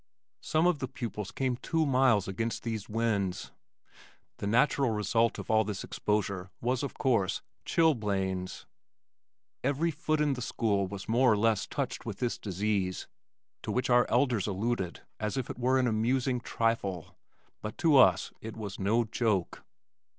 Some of the pupils came two miles against these winds. The natural result of all this exposure was of course, chilblains! Every foot in the school was more or less touched with this disease to which our elders alluded as if it were an amusing trifle, but to us it was no joke.